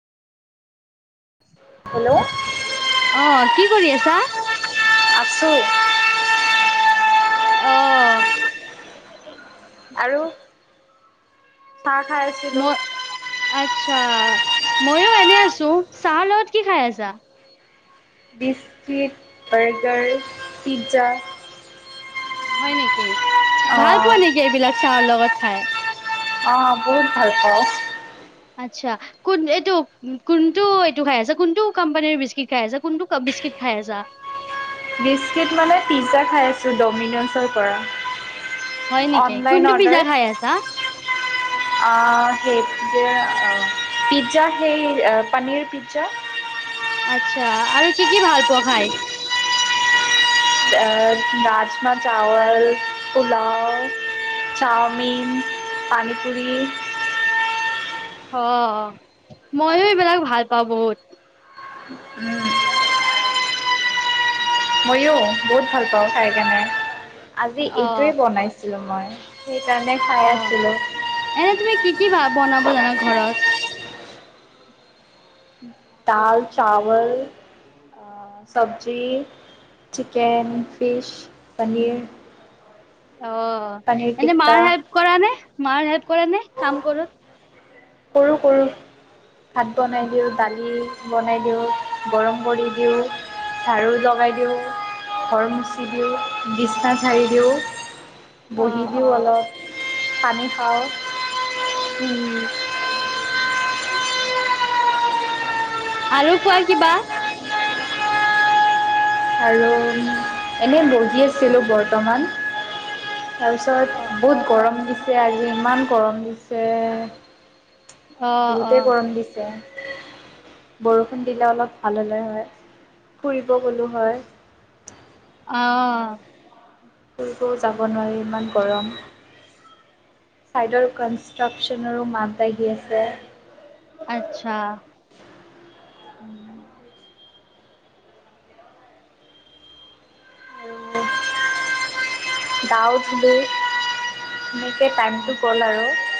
Hello আহ কি কৰি আছা? আছু আহ আৰু চাহ খাই আছিলো মই আৰ্টচা। মইও এনে আছো, চাহ লগত কি খাই আছা? বিস্কিট, বাৰ্গাৰ, পিজ্জা হয় নেকি অ ভাল পোৱা নেকি এইবিলাক চাহৰ লগত খাই? অঁ বহুত ভাল পাওঁ। আৰ্টচা কোন এইটো কোনটো এইটো খাই আছা? কোনটো কোম্পানীৰ বিস্কিট খাই আছা? কোনটো বিস্কিট খাই আছা? বিস্কিট মানে পিজ্জা খাই আছোঁ ড'মিন'জৰ পৰা হয় নেকি অনলাইন কোনটো পিজ্জা খাই আছা? অ সেই পিজ্জা সেই পনীৰ পিজ্জা আচ্ছা আৰু কি কি ভাল পোৱা খাই? চাৱল, পুলাও, চাওমিন, পানী পুৰি অ মইয়ো এইবিলাক ভাল পাওঁ বহুত। উম মইয়ো বহুত ভাল পাওঁ খাই কাৰণে। আজি অ এইটোৱে বনাইছো। আছিলোঁ মই সেইকাৰণে খাই অ' আছিলো এনে তুমি কি কি বনাব জানা ঘৰত? দাল, চাৱল, চবজি, চিকেন, ফিছ, পনীৰ অ' পনীৰ এনে টিক্কা মাৰ হেল্প কৰা নে, মাৰ হেল্প? কৰা নে কাম কৰোত? কৰো কৰো। ভাত বনাই দিওঁ, দালি বনাই দিওঁ, গৰম কৰি দিওঁ, জাৰু লগাই দিওঁ, ঘৰ মুুচি দিওঁ, বিচনা পাৰি দিওঁ অ বহি দিওঁ অ অলপ। পানী খাওঁ উম। আৰু কোৱা কিবা আৰু এনেই বহি আছিলোঁ বৰ্তমান অ তাৰপিছত অ বহুত অ গৰম দিছে আৰু ইমান গৰম দিছে অ বহুতে অ গৰম দিছে। বৰষুণ দিলে অলপ ভাল হ'লে হয়, ফুৰিব গ'লো হয়। আহ। ফুৰিব যাব নোৱাৰি ইমান গৰম, ছাইডৰ কনষ্ট্ৰাকচনৰো মাত বাাগি আছে। আচ্ছা। উম। আৰু গাঁৱ ধুই এনেকৈ টাইমটো গ'ল আৰু।